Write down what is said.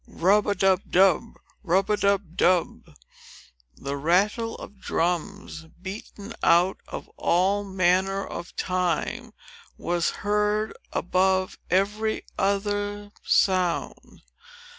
Rub a dub dub! Rub a dub dub! The rattle of drums, beaten out of all manner of time, was heard above every other sound.